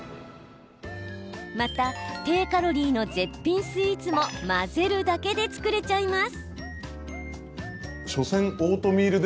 また低カロリーの絶品スイーツも混ぜるだけで作れちゃいます。